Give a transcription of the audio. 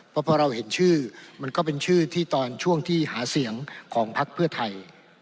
เพราะพอเราเห็นชื่อมันก็เป็นชื่อที่ตอนช่วงที่หาเสียงของพักเพื่อไทย